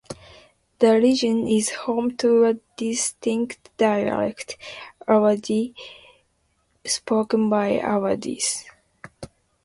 The region is home to a distinct dialect, Awadhi, spoken by Awadhis.